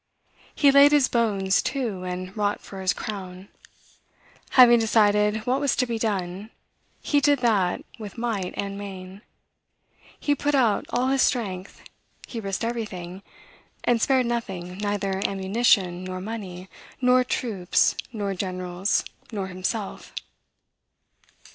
He laid his bones to, and wrought for his crown. Having decided what was to be done, he did that with might and main. He put out all his strength. He risked everything, and spared nothing, neither ammunition, nor money, nor troops, nor generals, nor himself.